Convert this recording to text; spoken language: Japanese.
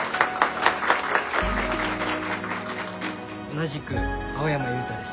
同じく青山悠太です。